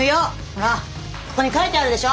ほらここに書いてあるでしょ？